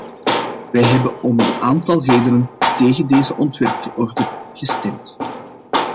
Wij hebben om een aantal redenen tegen deze ontwerpverordening gestemd.